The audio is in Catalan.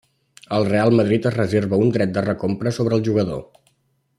El Real Madrid es reserva un dret de recompra sobre el jugador.